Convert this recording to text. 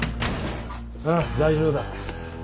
ああ大丈夫だ。